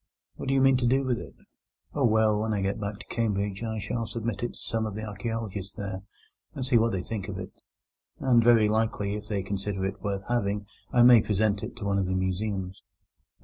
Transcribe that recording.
What do you mean to do with it?" "Oh, well, when I get back to Cambridge I shall submit it to some of the archaeologists there, and see what they think of it; and very likely, if they consider it worth having, I may present it to one of the museums."